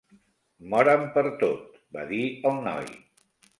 "Moren per tot", va dir el noi.